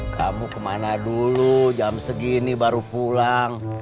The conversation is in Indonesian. kamu kemana dulu jam segini baru pulang